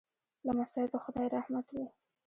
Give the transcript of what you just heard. لمسی د خدای رحمت وي.